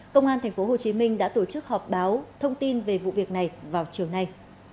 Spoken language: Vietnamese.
công an tp hồ chí minh đã tổ chức họp báo thông tin về vụ việc này vào chiều nay